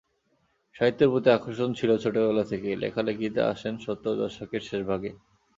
সাহিত্যের প্রতি আকর্ষণ ছিল ছোটবেলা থেকেই, লেখালেখিতে আসেন সত্তর দশকের শেষভাগে।